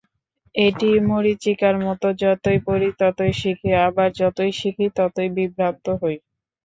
এটি মরীচিকার মতো—যতই পড়ি ততই শিখি, আবার যতই শিখি ততই বিভ্রান্ত হই।